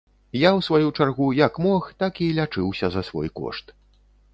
Я ў сваю чаргу як мог, так і лячыўся за свой кошт.